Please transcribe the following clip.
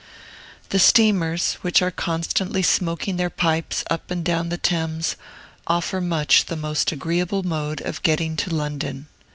The steamers, which are constantly smoking their pipes up and down the Thames, offer much the most agreeable mode of getting to London.